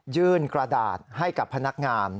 กระดาษให้กับพนักงาน